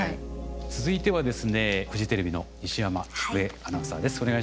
続いてはですねフジテレビの西山喜久恵アナウンサーです。